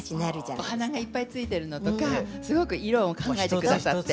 お花がいっぱいついてるのとかすごく色も考えて下さって。